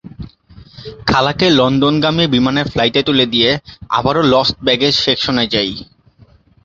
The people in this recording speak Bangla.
খালাকে লন্ডনগামী বিমানের ফ্লাইটে তুলে দিয়ে আবারও লস্ট ব্যাগেজ সেকশনে যাই।